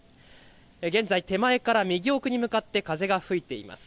現在、手前から右奥に向かって風が吹いています。